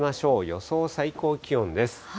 予想最高気温です。